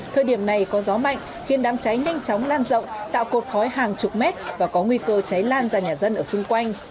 thời điểm này có gió mạnh khiến đám cháy nhanh chóng lan rộng tạo cột khói hàng chục mét và có nguy cơ cháy lan ra nhà dân ở xung quanh